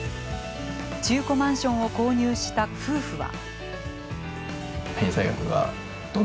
中古マンションを購入した夫婦は。